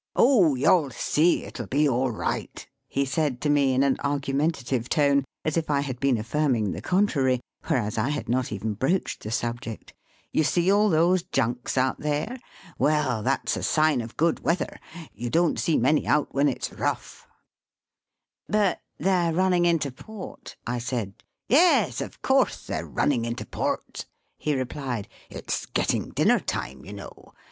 " Oh, you'll see it'll be all right," he said to me in an argumentative tone, as if I had been affirming the contrary, whereas I had not even broached the subject. "You see all those junks out there ? Well, that's a sign of good weather. You don't see so many out when it's rough*" Digitized by VjOOQIC BT SEA AND LAND TO KIOTO. 39 But they're running into port," I said. Yes, of course they're running into port," he repUed; *4t's getting dinner time, you know.